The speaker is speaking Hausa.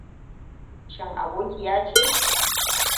Shin abokiya ce?